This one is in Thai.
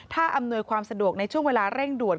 ถ้าอำนวยความสะดวกในช่วงเวลาเร่งด่วน